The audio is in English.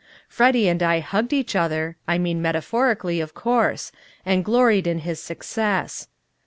Freddy and I hugged each other (I mean metaphorically, of course) and gloried in his success.